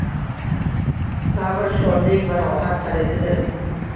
Sabr shodlik va rohat kalitidir.